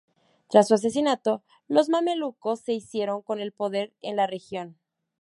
Tras su asesinato los mamelucos se hicieron con el poder en la región.